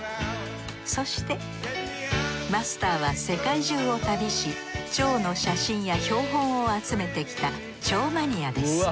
そしてマスターは世界中を旅し蝶の写真や標本を集めてきた蝶マニアです。